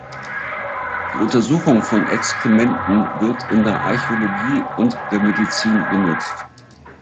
Die Untersuchung von Exkrementen wird in der Archäologie und der Medizin genutzt.